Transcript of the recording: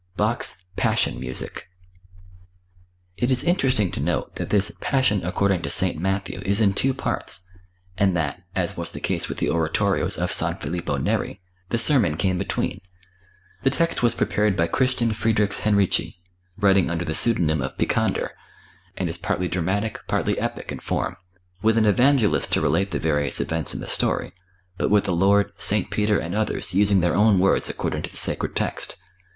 Bach's "Passion Music." It is interesting to note that this "Passion According to St. Matthew" is in two parts, and that, as was the case with the oratorios of San Filippo Neri, the sermon came between. The text was prepared by Christian Friedrichs Henrici, writing under the pseudonym of Picander, and is partly dramatic, partly epic in form, with an Evangelist to relate the various events in the story, but with the Lord, St. Peter and others using their own words according to the sacred text.